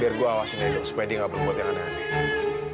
biar gue awasin aja dong supaya dia nggak berbuat yang aneh aneh